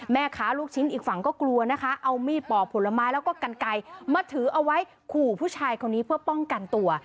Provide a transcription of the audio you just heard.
แม่ค้าลูกชิ้นอีกฝั่งก็กลัวนะคะเอามีดปอกผลไม้แล้วก็กันไก่มาถือเอาไว้ขู่ผู้ชายคนนี้เพื่อป้องกันตัว